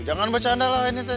jangan bercanda lah ini teh